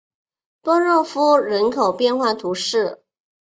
波热夫人口变化图示